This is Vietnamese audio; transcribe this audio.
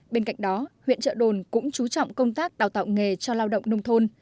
bên cạnh đó huyện trợ đồn cũng chú trọng công tác đào tạo nghề cho lao động nông thôn